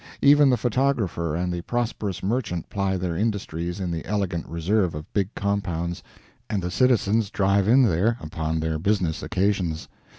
Even the photographer and the prosperous merchant ply their industries in the elegant reserve of big compounds, and the citizens drive in there upon their business occasions.